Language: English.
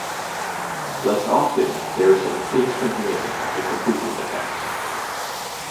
Less often there is an instant win after completing the task.